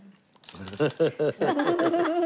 ウフフフ。